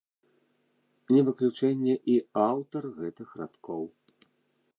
Не выключэнне і аўтар гэтых радкоў.